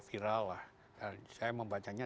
viral lah saya membacanya